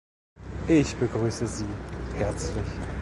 Ich begrüße Sie herzlich.